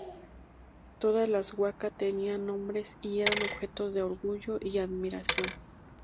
Todas las waka tenían nombres y eran objetos de orgullo y admiración.